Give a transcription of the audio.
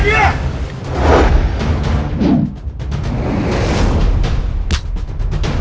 saya akan menjaga kebenaran raden